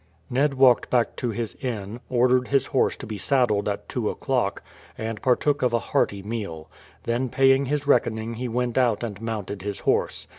Ned walked back to his inn, ordered his horse to be saddled at two o'clock, and partook of a hearty meal. Then paying his reckoning he went out and mounted his horse.